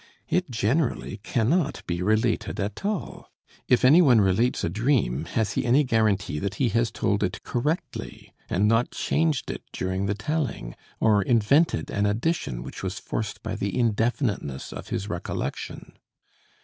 It generally cannot be related at all. If anyone relates a dream, has he any guarantee that he has told it correctly, and not changed it during the telling, or invented an addition which was forced by the indefiniteness of his recollection?